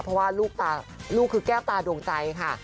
เพราะว่าลูกคือแก้วตาดวงใจค่ะ